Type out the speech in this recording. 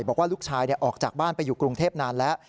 บอกว่าลูกชายออกจากบ้านไปอยู่กรุงเทพนานแล้ว